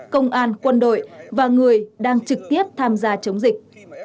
công an quân đội và người đang trực tiếp tham gia chống dịch